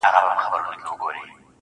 په مخه دي د اور ګلونه.